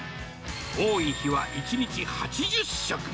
多い日は１日８０食。